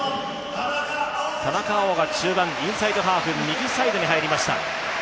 田中碧が中盤インサイドハーフ、右サイドに入りました。